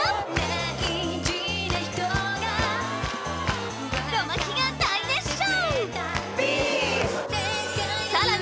大事な人がゴマキが大熱唱！